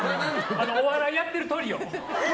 お笑いやってるトリオ。